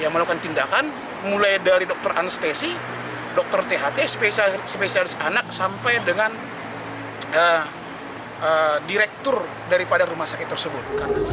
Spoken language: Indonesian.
yang melakukan tindakan mulai dari dokter anestesi dokter tht spesialis anak sampai dengan direktur daripada rumah sakit tersebut